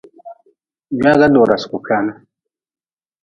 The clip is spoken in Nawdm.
Gwaga dora suku kwan.